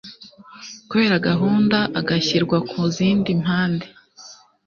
kubera gahunda agashyirwa ku zindi mpande